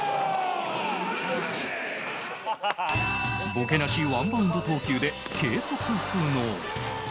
ボケなしワンバウンド投球で計測不能